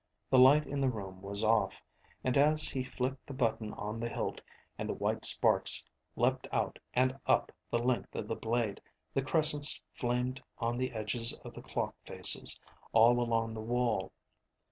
The light in the room was off, and as he flicked the button on the hilt, and the white sparks leaped out and up the length of the blade, the crescents flamed on the edges of the clock faces, all along the wall.